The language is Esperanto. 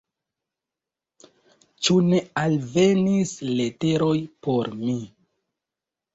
Ĉu ne alvenis leteroj por mi?